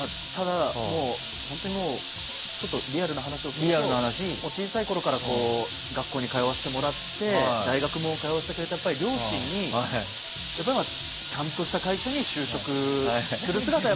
本当にリアルな話をすると小さいころから学校に通わせてもらって大学も通わせてくれた両親にちゃんとした会社に就職する姿を。